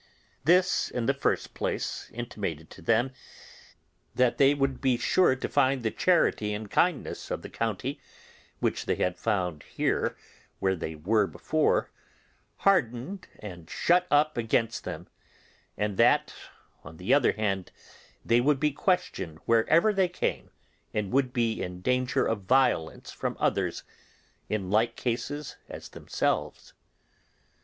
This in the first place intimated to them, that they would be sure to find the charity and kindness of the county, which they had found here where they were before, hardened and shut up against them; and that, on the other hand, they would be questioned wherever they came, and would be in danger of violence from others in like cases as themselves.